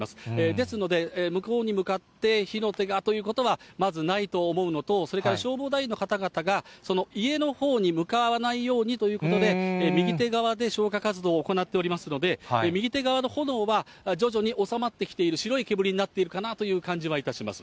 ですので、向こうに向かって火の手がということはまずないと思うのと、それから、消防団員の方々が、家のほうに向かわないようにということで、右手側で消火活動を行っておりますので、右手側の炎は徐々に収まってきている、白い煙になっているかなという感じはいたします。